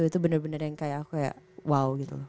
itu bener bener yang kayak wow gitu